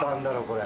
これ。